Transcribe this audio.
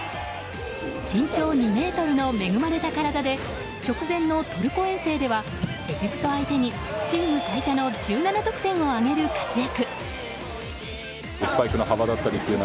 身長２ｍの恵まれた体で直前のトルコ遠征ではエジプト相手にチーム最多の１７得点を挙げる活躍。